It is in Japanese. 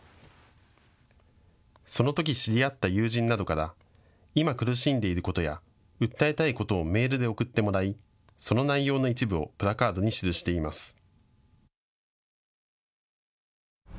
そのとき知り合った友人などから今、苦しんでいることや訴えたいことをメールで送ってもらいその内容の一部をプラカードに記しています。